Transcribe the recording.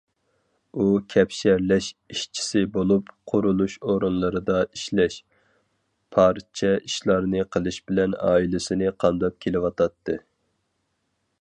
ئۇ كەپشەرلەش ئىشچىسى بولۇپ، قۇرۇلۇش ئورۇنلىرىدا ئىشلەش، پارچە ئىشلارنى قىلىش بىلەن ئائىلىسىنى قامداپ كېلىۋاتاتتى.